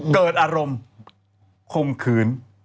เกิดอารมณ์ข่มขืน